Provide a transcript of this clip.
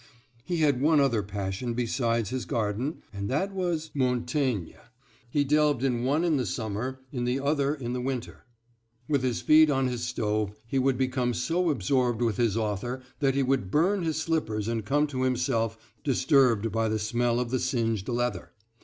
He had one other passion besides his garden, and that was Montaigne. He delved in one in the summer, in the other in the winter. With his feet on his stove he would become so absorbed with his author that he would burn his slippers and come to himself disturbed by the smell of the singed leather.